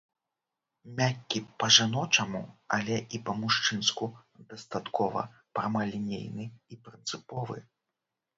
Мяккі па-жаночаму, але і па-мужчынску дастаткова прамалінейны і прынцыповы.